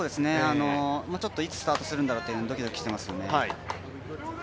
いつ、スタートするんだろうとドキドキしてますね。